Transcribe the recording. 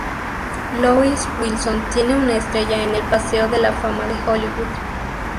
Lois Wilson tiene una estrella en el Paseo de la Fama de Hollywood.